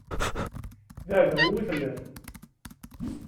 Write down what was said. D aɛdaw-iw i telliḍ.